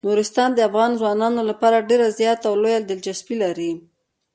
نورستان د افغان ځوانانو لپاره ډیره زیاته او لویه دلچسپي لري.